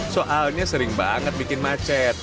soalnya sering banget bikin macet